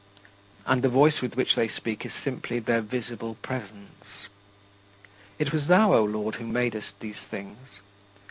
And the voice with which they speak is simply their visible presence. It was thou, O Lord, who madest these things.